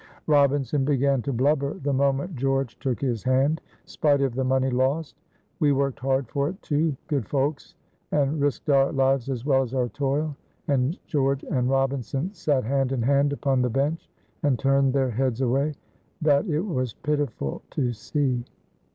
Robinson began to blubber the moment George took his hand, spite of the money lost. "We worked hard for it, too, good folks, and risked our lives as well as our toil;" and George and Robinson sat hand in hand upon the bench, and turned their heads away that it was pitiful to see.